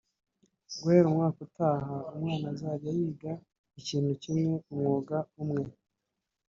guhera umwaka utaha umwana azajya yiga ikintu kimwe(Umwuga umwe)